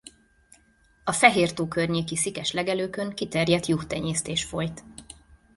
A Fehér-tó környéki szikes legelőkön kiterjedt juhtenyésztés folyt.